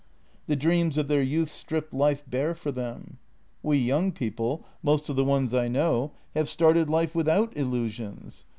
The dreams of their youth stripped life bare for them. We young people, most of the ones I know, have started life without illusions.